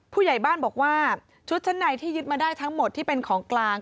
ผู้ใหญ่บ้านบอกว่าชุดชั้นในที่ยึดมาได้ทั้งหมดที่เป็นของกลาง